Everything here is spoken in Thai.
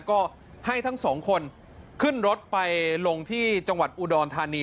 ก็ให้ทั้งสองคนขึ้นรถไปลงที่จังหวัดอุดรธานี